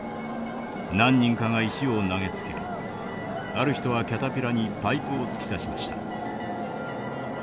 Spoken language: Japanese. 何人かが石を投げつけある人はキャタピラにパイプを突き刺しました」。